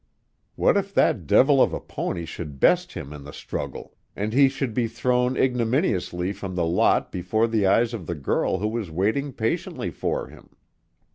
What if that devil of a pony should best him in the struggle, and he should be thrown ignominiously from the lot before the eyes of the girl who was waiting patiently for him?